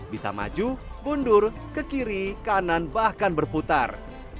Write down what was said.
bisa maju mundur ke kiri kanan bahkan berputar